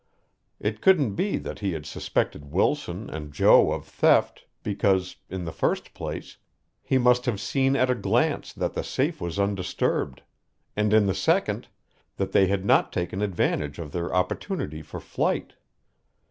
It couldn't be that he had suspected Wilson and Jo of theft, because, in the first place, he must have seen at a glance that the safe was undisturbed; and in the second, that they had not taken advantage of their opportunity for flight.